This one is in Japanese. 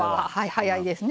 早いですね。